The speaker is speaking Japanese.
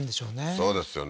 そうですよね